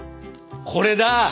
これだ。